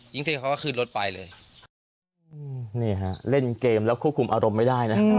จริงเขาก็ขึ้นรถไปเลยนี่ฮะเล่นเกมแล้วควบคุมอารมณ์ไม่ได้นะ